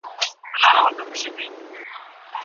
د جرګي په ويناوو کي به د هیواد د عزت نښې وي.